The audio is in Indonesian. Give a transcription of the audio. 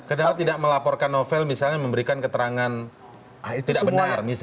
kenapa tidak melaporkan novel misalnya memberikan keterangan tidak benar